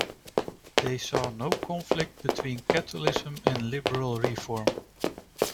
They saw no conflict between Catholicism and liberal reform.